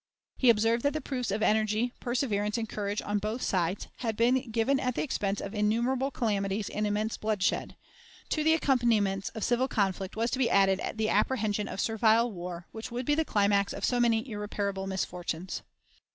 He observed that the proofs of energy, perseverance, and courage, on both sides, had been given at the expense of innumerable calamities and immense bloodshed; to the accompaniments of civil conflict was to be added the apprehension of servile war, which would be the climax of so many irreparable misfortunes.